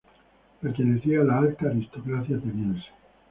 Pertenecía a la alta aristocracia ateniense.